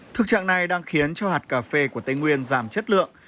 thực trạng này đang khiến cho hạt cà phê của tây nguyên giảm chất lượng